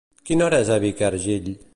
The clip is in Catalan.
Quina hora és a Ivercargill?